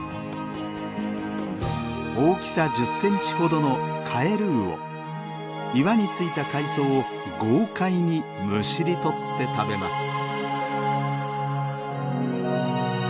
大きさ１０センチほどの岩についた海藻を豪快にむしり取って食べます。